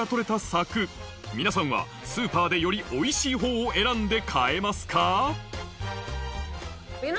サク皆さんはスーパーでよりおいしいほうを選んで買えますか？